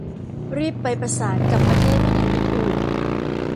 รีบไปประสานกับประเทศพันธมิตรอื่น